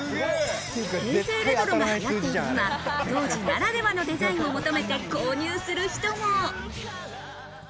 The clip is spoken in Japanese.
平成レトロが流行っている今、当時ならではのデザインを求めて購入する人も。